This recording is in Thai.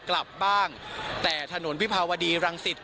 กลับบ้างแต่ถนนวิภาวดีรังสิต